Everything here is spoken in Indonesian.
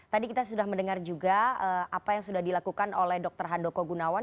tadi kita sudah mendengar juga apa yang sudah dilakukan oleh dr handoko gunawan